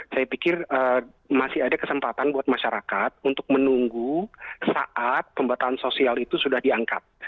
saya pikir masih ada kesempatan buat masyarakat untuk menunggu saat pembatalan sosial itu sudah diangkat